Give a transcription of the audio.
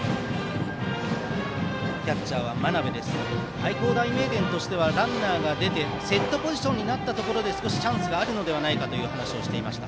愛工大名電としてはランナーが出てセットポジションになったところでチャンスがあるのではという話をしていました。